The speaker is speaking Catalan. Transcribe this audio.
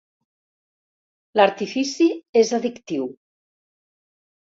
L'artifici és addictiu.